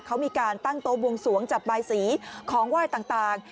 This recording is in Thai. เขามีการตั้งโต๊ะบวงสวงจับบายสีของไหว้ต่าง